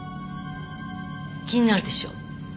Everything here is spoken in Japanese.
気になるでしょ？